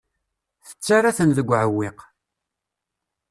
Tettarra-ten deg uɛewwiq.